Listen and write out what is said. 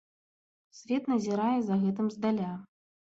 Свет назірае за гэтым здаля.